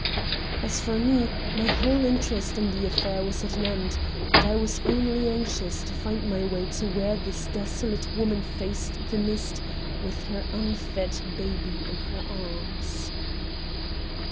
As for me, my whole interest in the affair was at an end, and I was only anxious to find my way to where this desolate woman faced the mist with her unfed baby in her arms.